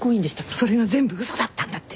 それが全部嘘だったんだって。